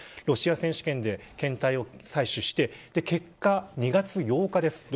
ロシア選手権で検体を採取して結果２月８日です。